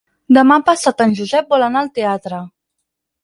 Demà passat en Josep vol anar al teatre.